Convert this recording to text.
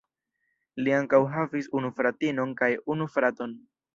Li ankaŭ havis unu fratinon kaj unu fraton.